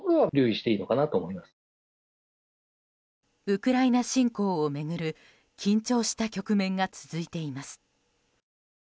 ウクライナ侵攻を巡る緊張した局面が続いています。